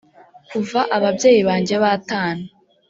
kuva ababyeyi banjye batana